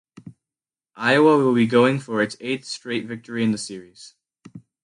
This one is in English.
Iowa will be going for its eighth straight victory in the series.